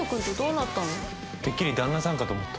てっきり旦那さんかと思った。